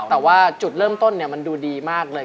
แต่ว่าจุดเริ่มต้นมันดูดีมากเลย